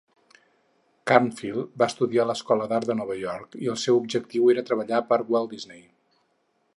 Carnfield va estudiar a l'escola d'Art de York i el seu objectiu era treballar per Walt Disney.